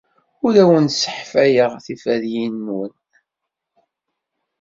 Ur awen-sseḥfayeɣ tiferyin-nwen.